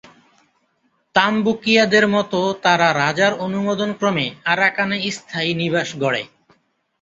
তামবুকিয়াদের মতো তারা রাজার অনুমোদনক্রমে আরাকানে স্থায়ী নিবাস গড়ে।